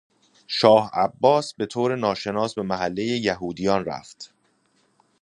شاه عباس به طور ناشناس به محلهی یهودیان رفت.